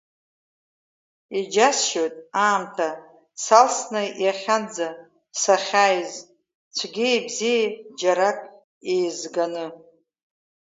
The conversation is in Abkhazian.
Иџьасшьоит аамҭа салсны иахьанӡа сахьааиз, цәгьеи бзиеи џьарак иеизганы.